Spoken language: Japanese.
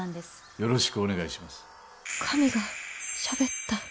よろしくお願いします。